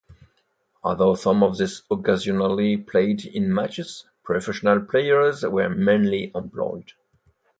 Although some of these occasionally played in matches, professional players were mainly employed.